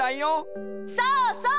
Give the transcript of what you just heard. そうそう！